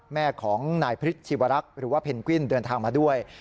แม่ของนายพฤษชีวรักษ์หรือว่าเพนกวินเดินทางมาด้วย